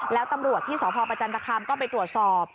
แล้วตำรวจที่สพประจันตคามก็ไปตรวจสอบ